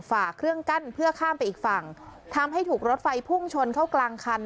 ฝ่าเครื่องกั้นเพื่อข้ามไปอีกฝั่งทำให้ถูกรถไฟพุ่งชนเข้ากลางคัน